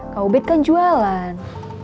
kau bed kan jualan